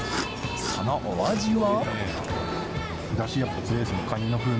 そのお味は？